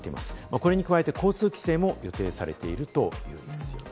これに加えて交通規制も予定されているといいます。